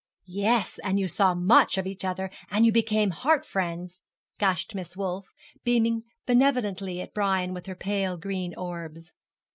'Yes, and you saw much of each other, and you became heart friends,' gushed Miss Wolf, beaming benevolently at Brian with her pale green orbs.